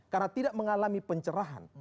karena tidak mengalami pencerahan